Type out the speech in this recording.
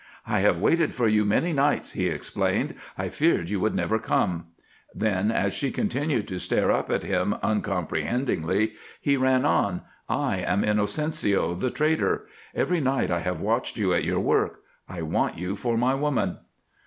"I have waited for you many nights," he explained. "I feared you would never come." Then, as she continued to stare up at him uncomprehendingly, he ran on: "I am Inocencio, the trader. Every night I have watched you at your work. I want you for my woman."